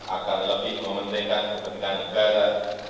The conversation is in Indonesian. agar lebih mementingkan kepentingan negara